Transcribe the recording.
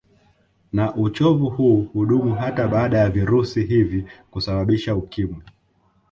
Na uchovu huu hudumu hata baada ya virusi hivi kusababisha Ukimwi